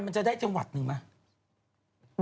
มันจะได้จังหวัดหนึ่งไหม